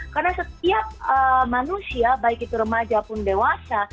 karena setiap manusia baik itu orang tua orang tua itu juga